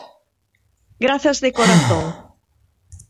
Grazas de corazón.